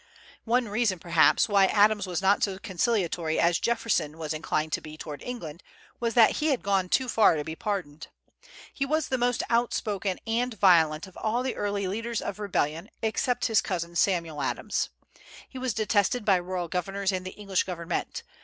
One reason, perhaps, why Adams was not so conciliatory as Jefferson was inclined to be toward England was that he had gone too far to be pardoned. He was the most outspoken and violent of all the early leaders of rebellion except his cousin, Samuel Adams. He was detested by royal governors and the English government.